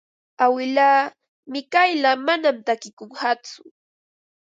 Awilaa Mikayla manam takikunqatsu.